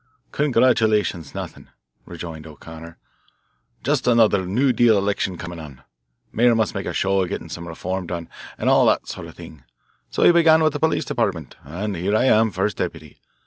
"Congratulations nothing," rejoined O'Connor. "Just another new deal election coming on, mayor must make a show of getting some reform done, and all that sort of thing. So he began with the Police Department, and here I am, first deputy.